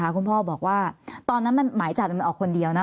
คุณพ่อบอกว่าตอนนั้นหมายจับมันออกคนเดียวนะ